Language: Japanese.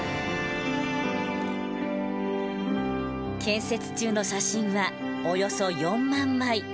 建設中の写真はおよそ４万枚。